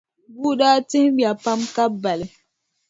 Bua daa tihimya pam ka bali.